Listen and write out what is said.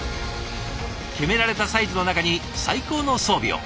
決められたサイズの中に最高の装備を。